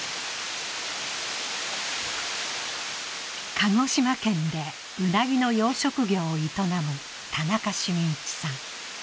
鹿児島県でうなぎの養殖業を営む田中俊一さん。